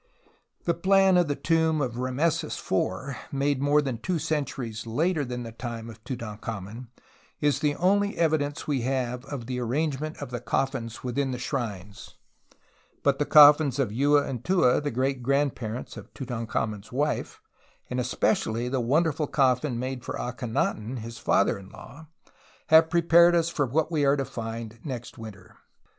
The plan of the tomb of Rameses IV, made more than two centuries later than the time of Tutankhamen, is the only evidence we have of the arrangement of the coffins within the shrines ; but the coffins of Yuaa and Tuaa, the great grandparents of Tutankhamen's wife, and especially the wonderful coffin made for Akhenaton, his father in law, have prepared us for what we are to find next winter.